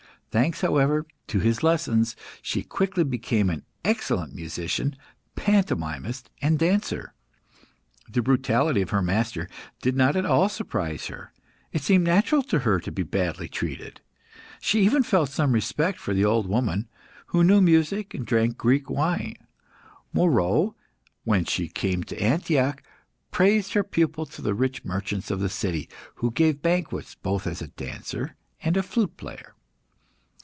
Thanks, however, to his lessons, she quickly became an excellent musician, pantomimist, and dancer. The brutality of her master did not at all surprise her; it seemed natural to her to be badly treated. She even felt some respect for the old woman, who knew music and drank Greek wine. Moeroe, when she came to Antioch, praised her pupil to the rich merchants of the city who gave banquets, both as a dancer and a flute player.